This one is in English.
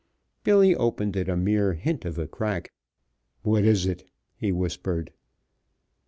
Billy opened it a mere hint of a crack. "What is it?" he whispered.